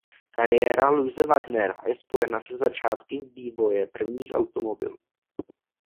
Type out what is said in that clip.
Kariéra Louise Wagnera je spojena se začátky vývoje prvních automobilů.